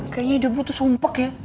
kayaknya ibu tuh sumpah ya